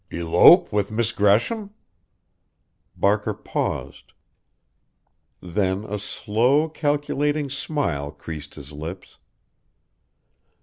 "Elope with Miss Gresham?" Barker paused; then a slow, calculating smile creased his lips.